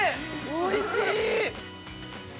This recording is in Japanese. ◆おいしい！